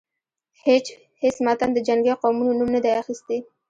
هیڅ متن د جنګی قومونو نوم نه دی اخیستی.